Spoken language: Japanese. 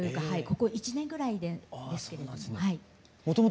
ここ１年ぐらいでですけれども。